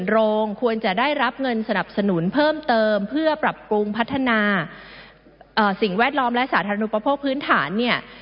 โรงควรจะได้รับเงินสนับสนุนเพิ่มเติมเพื่อปรับปรุงพัฒนาสิ่งแวดล้อมและสาธารณูปโภคพื้นฐานเนี่ย